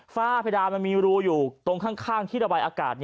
ฝ้าเพดานมันมีรูอยู่ตรงข้างที่ระบายอากาศ